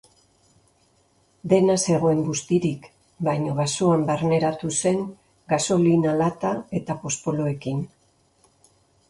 Dena zegoen bustirik, baina basoan barneratu zen gasolina lata eta pospoloekin.